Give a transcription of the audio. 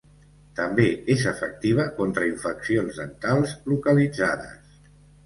També és efectiva contra infeccions dentals localitzades.